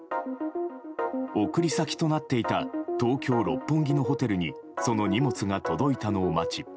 送り先となっていた東京・六本木のホテルにその荷物が届いたのを待ち